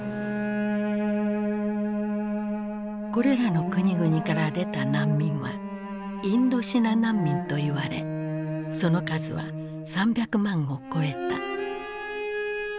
これらの国々から出た難民はインドシナ難民と言われその数は３００万を超えた。